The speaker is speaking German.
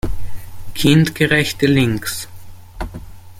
Kindgerechte Links